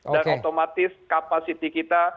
dan otomatis kapasiti kita